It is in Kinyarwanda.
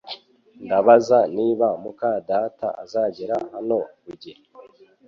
Ndabaza niba muka data azagera hano ku gihe